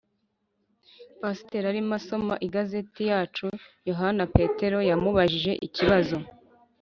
Pasiteri arimo asoma igazeti yacu yohana petero yamubajije ikibazo